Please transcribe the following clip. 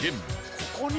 ここに？